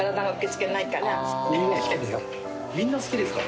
みんな好きですか？